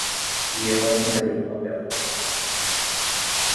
E eu assinarei um papel.